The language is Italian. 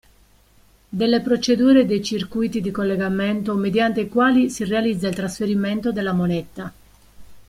Delle procedure e dei circuiti di collegamento mediante i quali si realizza il trasferimento della moneta.